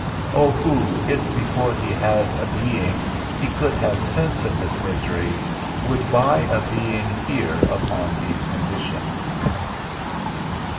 O who, if before he had a being he could have sense of this misery, would buy a being here upon these conditions?